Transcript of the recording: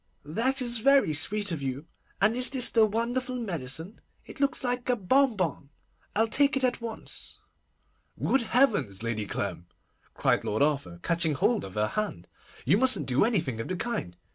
That is very sweet of you. And is this the wonderful medicine? It looks like a bonbon. I'll take it at once.' 'Good heavens! Lady Clem,' cried Lord Arthur, catching hold of her hand, 'you mustn't do anything of the kind.